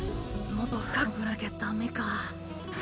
もっと深く潜らなきゃダメか。